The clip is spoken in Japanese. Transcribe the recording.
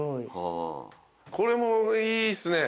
これもいいっすね。